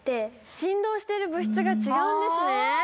振動してる物質が違うんですね！